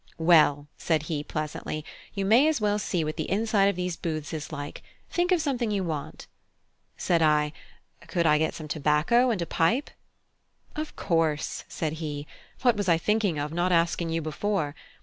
"Well," said he, pleasantly, "you may as well see what the inside of these booths is like: think of something you want." Said I: "Could I get some tobacco and a pipe?" "Of course," said he; "what was I thinking of, not asking you before?